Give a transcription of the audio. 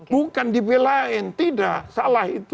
bukan dibelain tidak salah itu